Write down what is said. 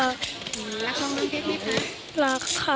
แล้วเขามันเพศไหมค่ะ